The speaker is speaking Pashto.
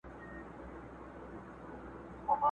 ځان د مرګي غیږي ته مه ورکوی خپل په لاس٫